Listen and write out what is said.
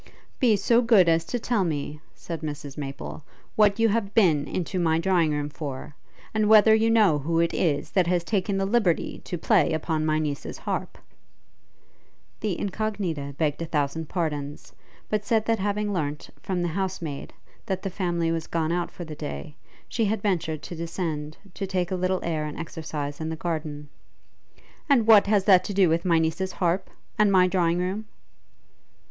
'Be so good as to tell me,' said Mrs Maple, 'what you have been into my drawing room for? and whether you know who it is, that has taken the liberty to play upon my niece's harp?' The Incognita begged a thousand pardons, but said that having learnt, from the house maid, that the family was gone out for the day, she had ventured to descend, to take a little air and exercise in the garden. 'And what has that to do with my niece's harp? And my drawing room?'